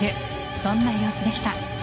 そんな様子でした。